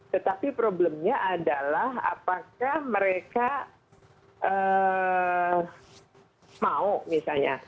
tetapi problemnya adalah apakah mereka mau misalnya